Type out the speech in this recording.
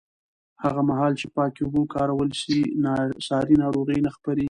هغه مهال چې پاکې اوبه وکارول شي، ساري ناروغۍ نه خپرېږي.